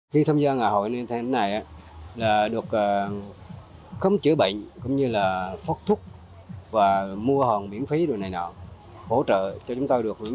khi tham gia ngày hội tôi rất chân thành cảm ơn và để tôi an tâm và công tác tốt hơn